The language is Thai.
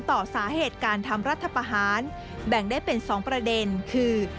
ต่อสาเหตุการทำรัฐประหารแบ่งได้เป็น๒ประเด็นคือ